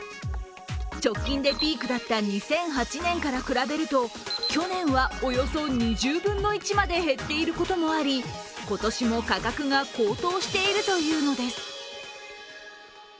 直近でピークだった２００８年から比べると、去年はおよそ２０分の１まで減っていることもあり今年も価格が高騰しているというのです。